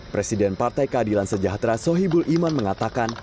presiden partai keadilan sejahtera sohibul iman mengatakan